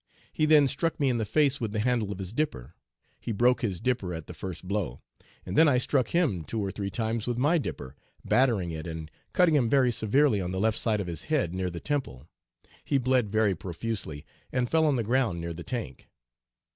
He then struck me in the face with the handle of his dipper (he broke his dipper at the first blow), and then I struck him two or three times with my dipper, battering it, and cutting him very severely on the left side of 'his head near the temple. He bled very profusely, and fell on the ground near the tank.